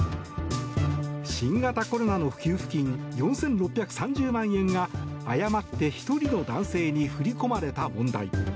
新型コロナの給付金４６３０万円が誤って１人の男性に振り込まれた問題。